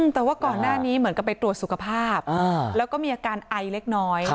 แต่ว่าก่อนหน้านี้เหมือนกับไปตรวจสุขภาพแล้วก็มีอาการไอเล็กน้อย